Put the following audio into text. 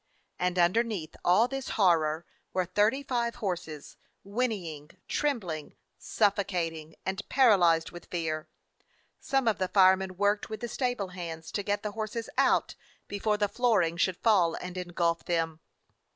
And underneath all this horror were thirty five horses, whinnying, trembling, suffocating, and paralyzed with fear. Some of the fire men worked with the stable hands to get the horses out before the flooring should fall and engulf them.